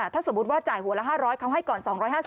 ถ้าสมมุติว่าจ่ายหัวละ๕๐๐เขาให้ก่อน๒๕๐